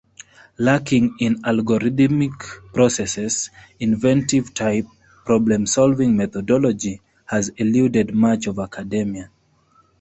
Lacking in algorithmic processes, inventive-type problem solving methodology has eluded much of academia.